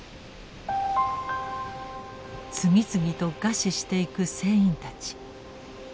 次々と餓死していく船員たち。